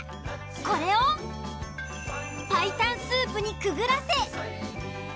これを白湯スープにくぐらせ。